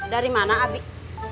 dari mana abik